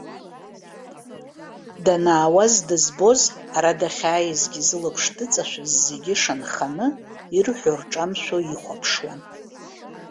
Данаауаз дызбоз, ара дахьааизгьы зылаԥш дыҵашәаз зегьы шанханы, ирҳәо рҿамшәо ихәаԥшуан.